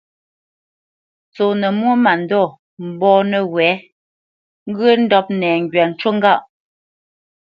Ntsónə́ mwô mândɔ̂ mbɔ̂ nəwɛ̌, ŋgyə̂ ndɔ́p nɛŋgywa ncú ŋgâʼ.